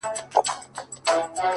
تا په پنځه لوېشتو وړيو کي سيتار وتړی;